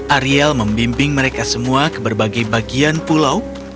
ariel membimbing mereka semua ke berbagai bagian pulau